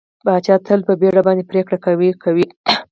پاچا تل په بېړه باندې پرېکړه کوي کوي.